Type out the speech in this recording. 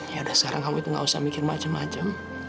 yaudah sekarang kamu itu nggak usah mikir macem macem